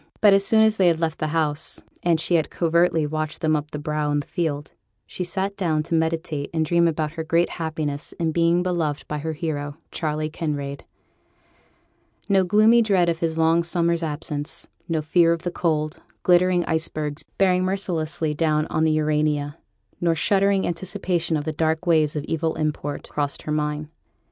But as soon as they had left the house, and she had covertly watched them up the brow in the field, she sate down to meditate and dream about her great happiness in being beloved by her hero, Charley Kinraid. No gloomy dread of his long summer's absence; no fear of the cold, glittering icebergs bearing mercilessly down on the Urania, nor shuddering anticipation of the dark waves of evil import, crossed her mind.